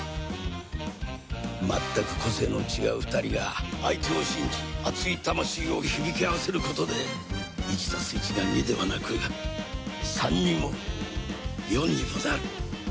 全く個性の違う２人が相手を信じ熱い魂を響き合わせることで１足す１が２ではなく３にも４にもなる。